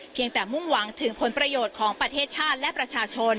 ยังแต่มุ่งหวังถึงผลประโยชน์ของประเทศชาติและประชาชน